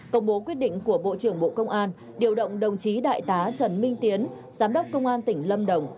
công bố quyết định của bộ trưởng bộ công an điều động đồng chí đại tá trần minh tiến giám đốc công an tỉnh lâm đồng